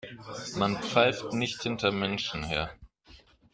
Man pfeift nicht hinter Menschen her.